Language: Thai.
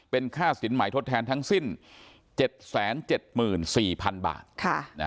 เป็นค่าสินใหม่ทดแทนทั้งสิ้น๗๗๔๐๐๐บาท